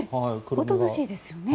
おとなしいですよね。